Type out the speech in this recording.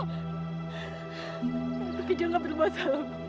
tukijo sudah menoda